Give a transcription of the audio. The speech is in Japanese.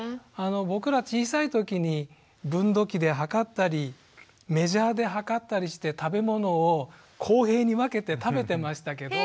僕ら小さいときに分度器で測ったりメジャーで測ったりして食べ物を公平に分けて食べてましたけど。